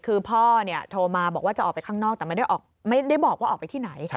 คือพ่อโทรมาบอกว่าจะออกไปข้างนอกแต่ไม่ได้บอกว่าออกไปที่ไหน